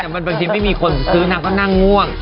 แต่บางทีไม่มีคนซื้อนางก็นั่งง่วง